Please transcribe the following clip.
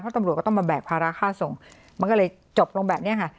เพราะตำลวดก็ต้องมาแบกพาราคาส่งมันก็เลยจบตรงแบบเนี้ยค่ะ